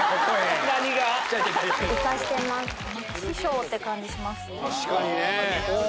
師匠って感じします。